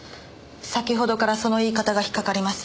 先ほどからその言い方が引っかかります。